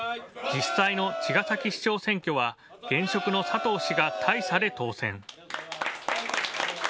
実際の茅ヶ崎市長選挙は現職の佐藤氏が大差で当選。